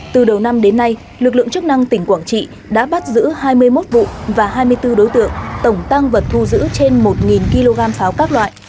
từ đầu năm đến nay lực lượng chức năng tỉnh quảng trị đã bắt giữ hai mươi một vụ và hai mươi bốn đối tượng tổng tăng vật thu giữ trên một kg pháo các loại